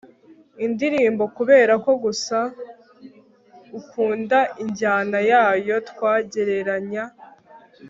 indirimbo kubera ko gusa ukunda injyana yayo twagereranya